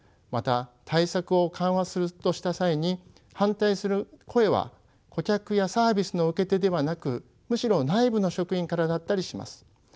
また対策を緩和するとした際に反対する声は顧客やサービスの受け手ではなくむしろ内部の職員からだったりします。